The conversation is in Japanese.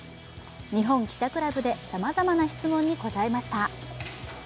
日本記者クラブでさまざまな質問に答えました。